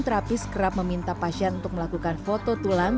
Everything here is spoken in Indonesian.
terapis kerap meminta pasien untuk melakukan foto tulang